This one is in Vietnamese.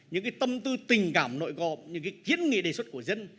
những cái tâm tư tình cảm nội gộp những cái kiến nghị đề xuất của dân